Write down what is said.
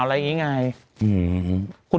อะไรอย่างนี้ไง